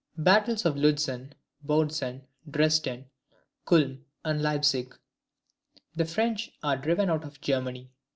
Battles of Lutzen, Bautzen, Dresden, Culm, and Leipsic. The French are driven out of Germany.